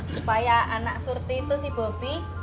supaya anak surti itu si bobi